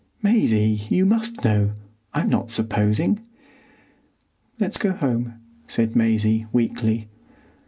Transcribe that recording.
"Maisie, you must know. I'm not supposing." "Let's go home," said Maisie, weakly.